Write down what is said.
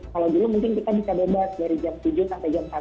kalau dulu mungkin kita bisa bebas dari jam tujuh sampai jam satu